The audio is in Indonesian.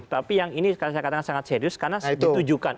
tapi yang ini saya katakan sangat serius karena ditujukan